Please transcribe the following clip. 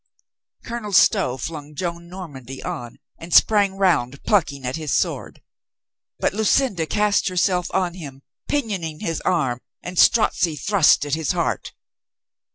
Colonel Stow flung Joan Normandy on and sprang round, plucking at his sword. But Lucinda cast herself on him, pinioning his arm and Strozzi thrust at his heart.